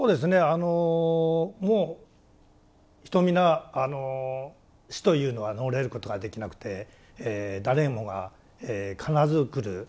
あのもう人皆死というのは逃れることができなくて誰もが必ず来る。